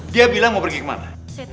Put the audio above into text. dia bilang mau pergi kemana